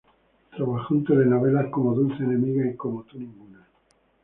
Trabajó en telenovelas como "Dulce enemiga" y "Como tú, ninguna".